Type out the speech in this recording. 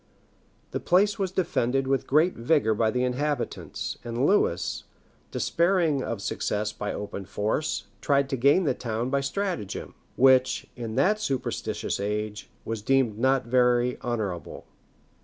[*] The place was defended with great vigor by the inhabitants;[] and Lewis, despairing of success by open force, tried to gain the town by a stratagem, which, in that superstitious age, was deemed not very honor able.